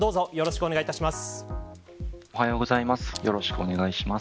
どうぞおはようございます。